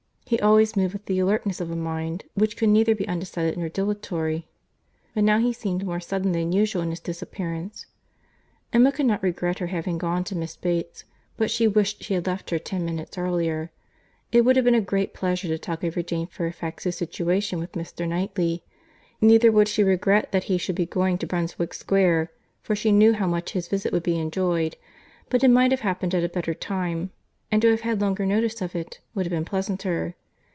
He always moved with the alertness of a mind which could neither be undecided nor dilatory, but now he seemed more sudden than usual in his disappearance. Emma could not regret her having gone to Miss Bates, but she wished she had left her ten minutes earlier;—it would have been a great pleasure to talk over Jane Fairfax's situation with Mr. Knightley.—Neither would she regret that he should be going to Brunswick Square, for she knew how much his visit would be enjoyed—but it might have happened at a better time—and to have had longer notice of it, would have been pleasanter.